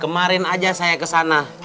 kemarin aja saya kesana